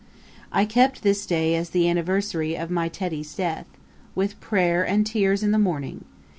I kept this day as the anniversary of my Tetty's death, with prayer and tears in the morning.